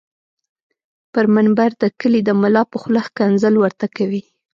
پر منبر د کلي دملا په خوله ښکنځل ورته کوي